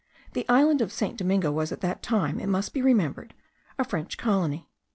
The island of St. Domingo was at that time, it must be remembered, a French colony.)